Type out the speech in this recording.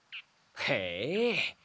へえ。